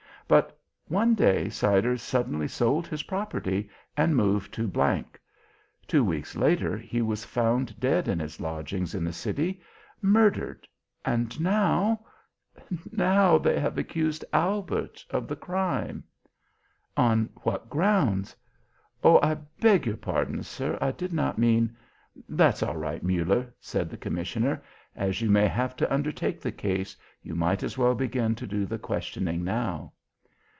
But one day Siders suddenly sold his property and moved to G . Two weeks later he was found dead in his lodgings in the city, murdered, and now now they have accused Albert of the crime." "On what grounds? oh, I beg your pardon, sir; I did not mean " "That's all right, Muller," said the commissioner. "As you may have to undertake the case, you might as well begin to do the questioning now."